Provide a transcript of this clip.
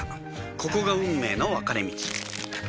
ここが運命の分かれ道